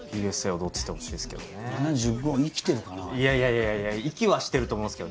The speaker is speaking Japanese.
いやいや生きはしてると思うんですけどね。